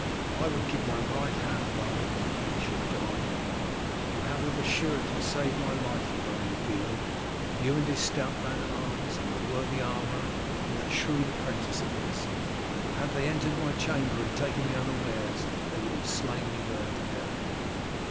"I would give my right hand rather than that he should die. You have of a surety saved my life among you, Beorn, you and his stout man at arms and the worthy armourer and that shrewd apprentice of his for had they entered my chamber and taken me unawares they would have slain me without doubt."